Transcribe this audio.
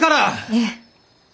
ええ。